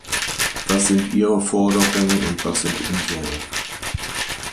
Was sind Ihre Forderungen, und was sind unsere?